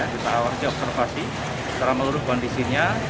kita awali observasi secara meluruh kondisinya